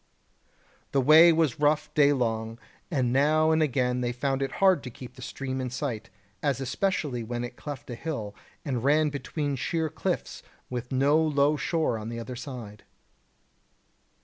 The way was rough day long, and now and again they found it hard to keep the stream in sight, as especially when it cleft a hill, and ran between sheer cliffs with no low shore on either side.